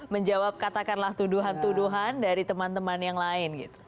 menjawab katakanlah tuduhan tuduhan dari teman teman yang lain gitu